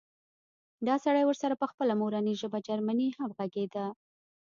دا سړی ورسره په خپله مورنۍ ژبه جرمني هم غږېده